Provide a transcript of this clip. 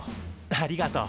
ありがとう。